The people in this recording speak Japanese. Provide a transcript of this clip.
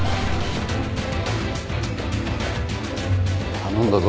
頼んだぞ。